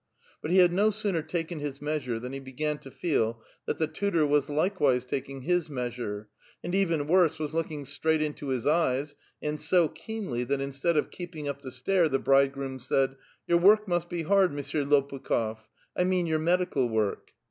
But be had no sooner taken his measure than he began to feel that tlie tutor was likewise taking his measure, and, even worse, was looking straight into his eyes, and so keenly that instead of keeping up the stare the bridegroom said :—'' Your work must be bard, Monsieur Lopukh6f, — I mean your medical work."